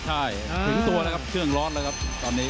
ใช่ถึงตัวแล้วครับเครื่องร้อนแล้วครับตอนนี้